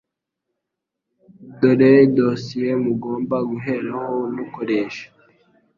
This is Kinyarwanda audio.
Dore dosiye mugomba guheraho nukoresha